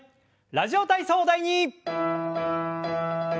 「ラジオ体操第２」。